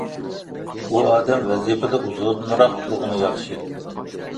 ئۇ ئادەم ۋەزىپىدە ئۇزۇنراق تۇرغىنى ياخشى.